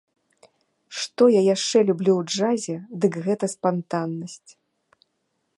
Што я яшчэ люблю ў джазе, дык гэта спантаннасць.